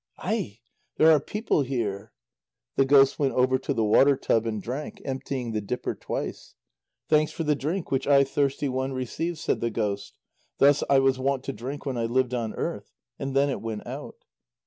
"Ai! There are people here!" The ghost went over to the water tub and drank, emptying the dipper twice. "Thanks for the drink which I thirsty one received," said the ghost. "Thus I was wont to drink when I lived on earth." And then it went out.